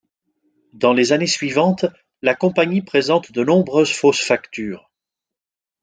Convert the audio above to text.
Dans les années suivantes, la compagnie présente de nombreuses fausses factures.